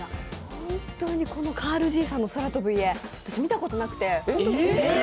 本当に「カールじいさんの空飛ぶ家」、私、見たことがなくて。